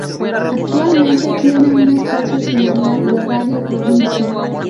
Actualmente tiene un espacio semanal en Radio Provincia.